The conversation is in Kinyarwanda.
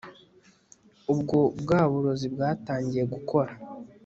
ubwo bwa burozi bwatangiye gukora